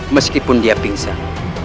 meskipun dia pingsan